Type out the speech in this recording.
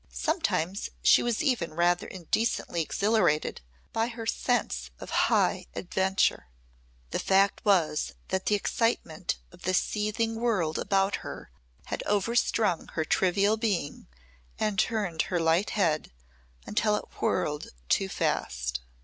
Sometimes she was even rather indecently exhilarated by her sense of high adventure. The fact was that the excitement of the seething world about her had overstrung her trivial being and turned her light head until it whirled too fast.